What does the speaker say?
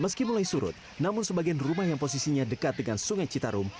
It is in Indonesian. meski mulai surut namun sebagian rumah yang posisinya dekat dengan sungai citarum